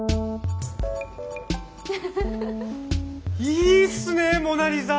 いいっすねモナ・リザ。